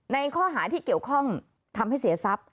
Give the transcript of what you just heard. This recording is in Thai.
ในข้อหาที่เกี่ยวข้องทำให้เสียทรัพย์